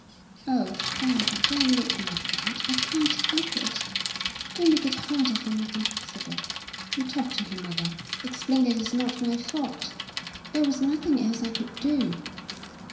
"Oh, father, don't look like that! I can't help it! Don't make it harder for me than possible. You talk to him, mother. Explain that it's not my fault. There was nothing else I could do."